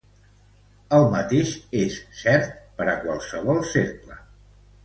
El mateix és cert per a qualsevol cercle.